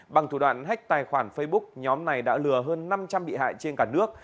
bằng thủ đoạn hách tài khoản facebook nhóm này đã lừa hơn năm trăm linh bị hại trên cả nước